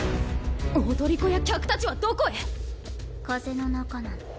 踊り子や客たちはどこへ⁉風の中なの。